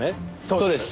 そうです。